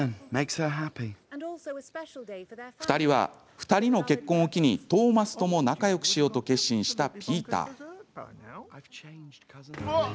２人の結婚を機にトーマスとも仲よくしようと決心したピーター。